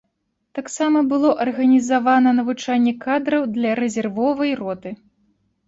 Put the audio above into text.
Таксама было арганізавана навучанне кадраў для рэзервовай роты.